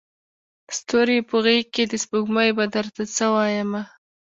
ستوري په غیږکي د سپوږمۍ به درته څه وایمه